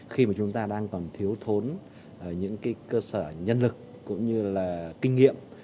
khi mà chúng ta đang còn thiếu thốn những cái cơ sở nhân lực cũng như là kinh nghiệm